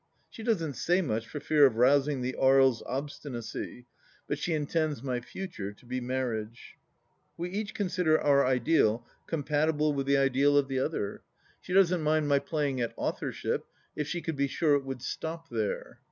She doesn't say much for fear of rousing the Aries obstinacy, but she intends my future to be Marriage ! We each consider our ideal compatible with the ideal of 31 82 THE LAST DITCH the other. She doesn't mind my playing at authorship, if she could be sure it would stop there.